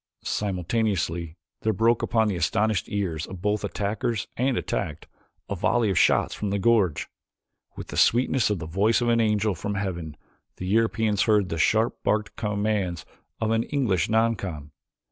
Simultaneously there broke upon the astonished ears of both attackers and attacked a volley of shots from the gorge. With the sweetness of the voice of an angel from heaven the Europeans heard the sharp barked commands of an English noncom.